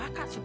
aku mau pergi